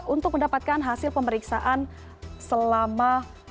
untuk mendapatkan hasil pemeriksaan selama